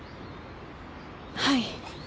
はい。